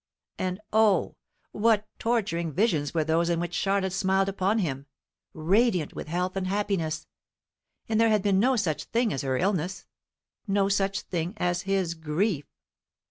And O, what torturing visions were those in which Charlotte smiled upon him, radiant with health and happiness; and there had been no such thing as her illness, no such thing as his grief.